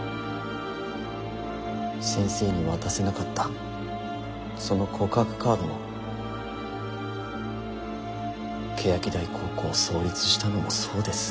先生に渡せなかったその告白カードも欅台高校を創立したのもそうです。